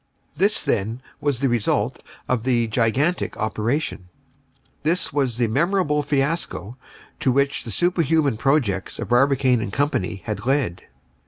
This, then, was the result of the gigantic operation. This was the memorable fiasco to which the superhuman projects of Barbicane & Co. had led.